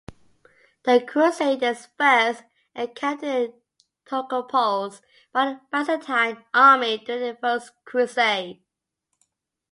The crusaders first encountered turcopoles in the Byzantine army during the First Crusade.